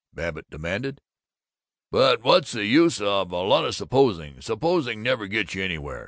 Babbitt demanded. "But what's the use of a lot of supposing? Supposing never gets you anywhere.